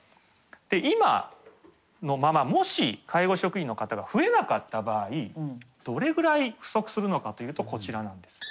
今のままもし介護職員の方が増えなかった場合どれぐらい不足するのかというとこちらなんです。